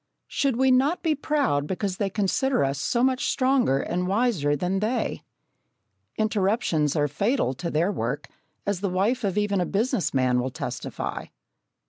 Should we not be proud because they consider us so much stronger and wiser than they? Interruptions are fatal to their work, as the wife of even a business man will testify.